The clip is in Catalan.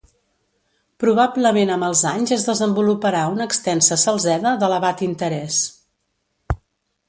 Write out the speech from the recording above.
Probablement amb els anys es desenvoluparà una extensa salzeda, d'elevat interès.